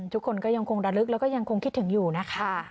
ทุกคนก็ยังคงระลึกแล้วก็ยังคงคิดถึงอยู่นะคะ